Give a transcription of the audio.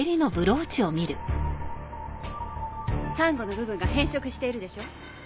珊瑚の部分が変色しているでしょ？